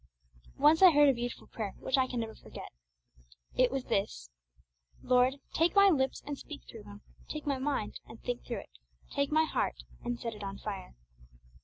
Once I heard a beautiful prayer which I can never forget; it was this: 'Lord, take my lips, and speak through them; take my mind, and think through it; take my heart, and set it on fire.'